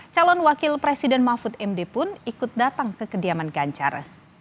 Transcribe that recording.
calon wakil presiden mahfud md pun ikut datang ke kediaman ganjar